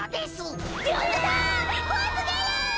こわすぎる！